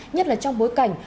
nhất là trong bối cảnh